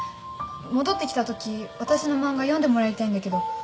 戻ってきたとき私の漫画読んでもらいたいんだけど。